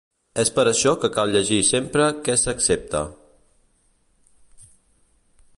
És per això que cal llegir sempre què s’accepta.